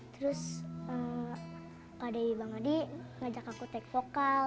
terus kak dewi bang adi ngajak aku take vokal